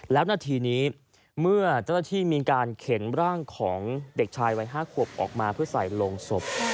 แล้วนาทีนี้เมื่อเจ้าหน้าที่มีการเข็นร่างของเด็กชายวัย๕ขวบออกมาเพื่อใส่ลงศพ